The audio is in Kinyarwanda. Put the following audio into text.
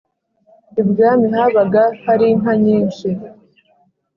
ibwami habaga hari inka nyinshi